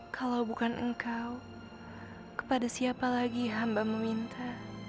kalau bukan engkau kepada siapa lagi hamba meminta